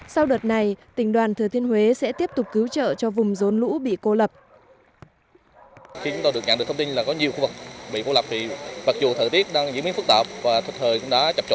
sau đợt này tỉnh đoàn thừa thiên huế sẽ tiếp tục cứu trợ cho vùng rốn lũ bị cô lập